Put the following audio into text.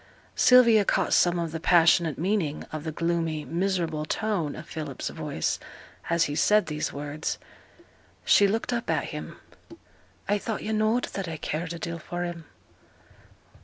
Sylvia caught some of the passionate meaning of the gloomy, miserable tone of Philip's voice as he said these words. She looked up at him. 'I thought yo' knowed that I cared a deal for him.'